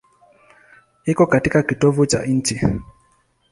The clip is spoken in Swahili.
Iko katika kitovu cha nchi.